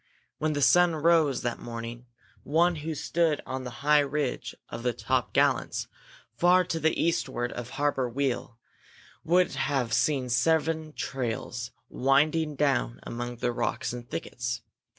When the sun rose that morning one who stood on the high ridge of the Top Gallants, far to the eastward of Harbor Weal, would have seen seven trails winding down among the rocks and thickets.